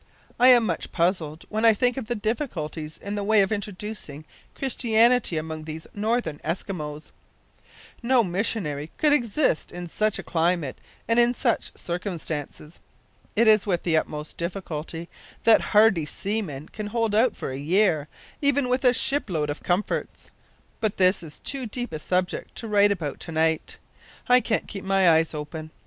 I am much puzzled when I think of the difficulties in the way of introducing Christianity among these northern Eskimos. No missionary could exist in such a climate and in such circumstances. It is with the utmost difficulty that hardy seamen can hold out for a year, even with a ship load of comforts. But this is too deep a subject to write about to night! I can't keep my eyes open.